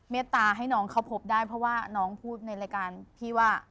เมตตาให้น้องเข้าพบได้เพราะว่าน้องพูดในรายการพี่ว่า